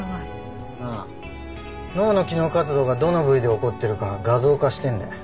ああ脳の機能活動がどの部位で起こってるか画像化してんだよ。